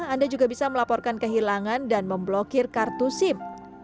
anda juga bisa melaporkan kehilangan dan memblokir kartu sim